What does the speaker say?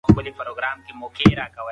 تاسو پوهیږئ چې ټولنپوهنه څنګه تعريف کیږي؟